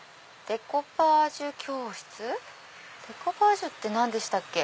デコパージュって何でしたっけ？